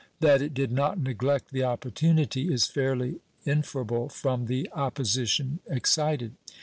That it did not neglect the opportunity is fairly inferable from the opposition excited.